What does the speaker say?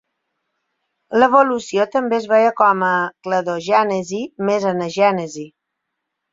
L'evolució també es veia com a cladogènesi més anagènesi.